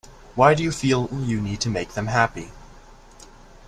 Why do you feel you need to make them happy?